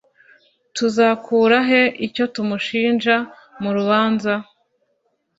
tuzakura he icyo tumushinja mu rubanza